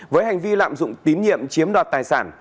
với hành vi lạm dụng tín nhiệm chiếm đoạt tài sản